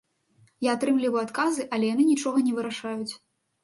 Я атрымліваю адказы, але яны нічога не вырашаюць.